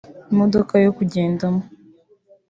imodoka yo kugendamo